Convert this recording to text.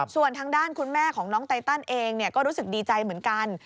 ส่วนทางด้านคุณแม่ของน้องไตตันเองก็รู้สึกดีใจเหมือนกัน